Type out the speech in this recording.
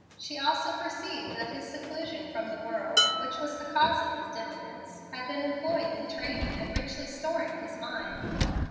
She also perceived that this seclusion from the world, which was the cause of his diffidence, had been employed in training and richly storing his mind.